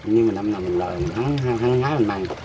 nhưng mà năm nào mình lời mình hắn hái mình mặn